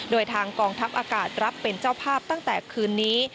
โดยทางกองทัพอากาศรับเป็นเจ้าภาพตั้งแต่คืนนี้